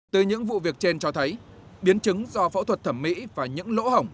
từ những vụ việc trên cho thấy biến chứng do phẫu thuật thẩm mỹ và những lỗ hỏng